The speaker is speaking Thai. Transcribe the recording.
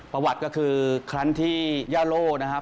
ประวัติก็คือครั้งที่ย่าโล่นะครับ